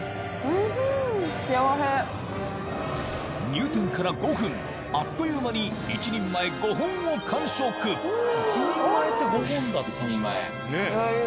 入店から５分あっという間に１人前５本を完食おいしい。